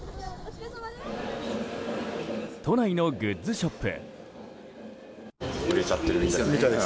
都内のグッズショップ。